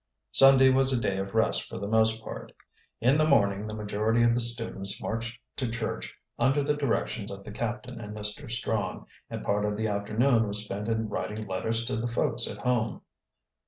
Sunday was a day of rest for the most part. In the morning the majority of the students marched to church under the directions of the captain and Mr. Strong, and part of the afternoon was spent in writing letters to the folks at home.